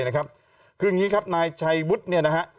นายชัยวุฒต์